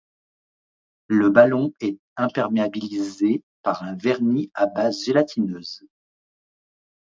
Le ballon est imperméabilisé par un vernis à base gélatineuse.